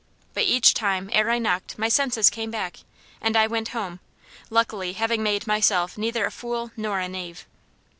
But each time ere I knocked my senses came back, and I went home luckily having made myself neither a fool nor a knave."